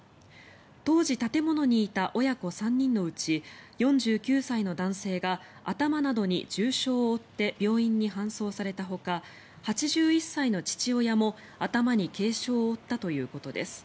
当時、建物にいた親子３人のうち４９歳の男性が頭などに重傷を負って病院に搬送されたほか８１歳の父親も、頭に軽傷を負ったということです。